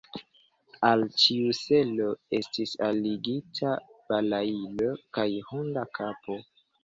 Al ĉiu selo estis alligita balailo kaj hunda kapo.